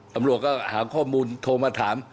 ตำรวจก็หาข้อมูลโทรมาถาม